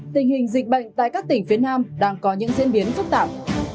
tình hình dịch bệnh tại các tỉnh phía nam đang có những diễn biến phức tạp